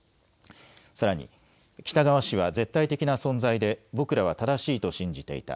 さらに、喜多川氏は絶対的な存在で、僕らは正しいと信じていた。